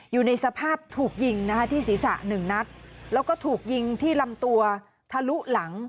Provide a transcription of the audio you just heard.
อยู่ในสภาพถูกยิงนะคะที่ศีรษะหนึ่งนัดแล้วก็ถูกยิงที่ลำตัวทะลุหลัง